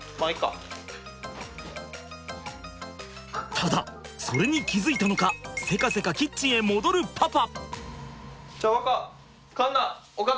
ただそれに気付いたのかせかせかキッチンへ戻るパパ。